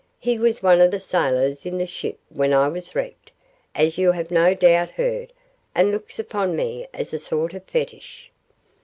He was one of the sailors in the ship when I was wrecked, as you have no doubt heard, and looks upon me as a sort of fetish.